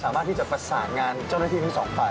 สามารถที่จะประสานงานเจ้าหน้าที่ทั้งสองฝ่าย